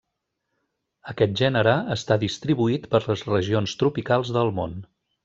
Aquest gènere està distribuït per les regions tropicals del món.